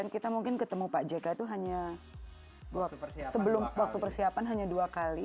kita mungkin ketemu pak jk itu hanya sebelum waktu persiapan hanya dua kali